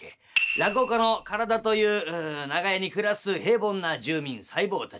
落語家の体という長屋に暮らす平凡な住民細胞たち。